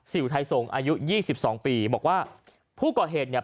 วไทยส่งอายุยี่สิบสองปีบอกว่าผู้ก่อเหตุเนี่ย